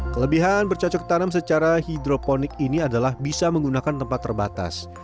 kelebihan bercocok tanam secara hidroponik ini adalah bisa menggunakan tempat terbatas